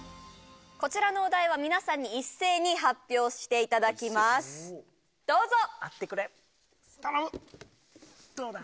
こちらのお題は皆さんに一斉に発表していただきますどうぞ！